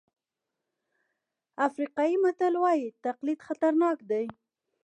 افریقایي متل وایي تقلید خطرناک دی.